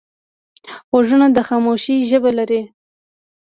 غوږونه د خاموشۍ ژبه لري